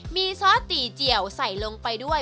มีซอสตีเจียวใส่ลงไปด้วย